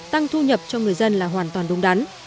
tăng thu nhập cho người dân là hoàn toàn đúng đắn